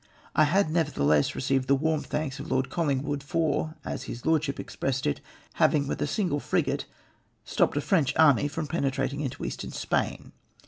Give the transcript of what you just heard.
I had nevertheless received the vv^arm thanks of Lord Colhngwood for — as his Lordship expressed it — having Avith a single frigate stopped a French army from penetrating into Eastern Spain.